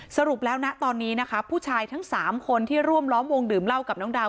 สรุปแล้วนะตอนนี้นะคะผู้ชายทั้ง๓คนที่ร่วมล้อมวงดื่มเหล้ากับน้องดาว